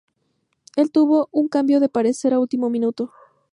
Él tuvo un cambio de parecer a último minuto.